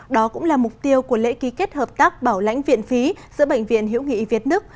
đó cũng là mục tiêu của lễ ký kết hợp tác bảo lãnh viện phí giữa bệnh viện hiễu nghị việt đức